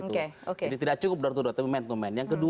jadi tidak cukup door to door tapi man to man